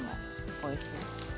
おいしい！